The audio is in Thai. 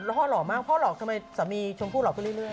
ท่อหล่อมากท่อหล่อมากทำไมสามีชมผู้หล่อไปเรื่อย